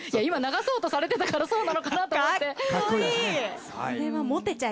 今流そうとされてたからそうなのかなと思って。